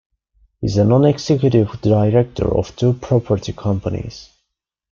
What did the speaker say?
He is a non-executive director of two property companies.